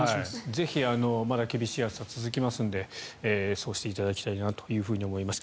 ぜひまだ厳しい暑さが続きますのでそうしていただきたいなと思います。